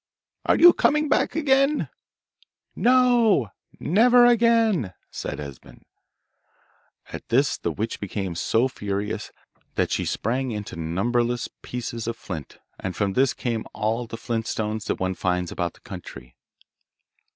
'Are you coming back again?' 'No, never again,' said Esben. At this the witch became so furious that she sprang into numberless pieces of flint, and from this come all the flint stones that one finds about the country.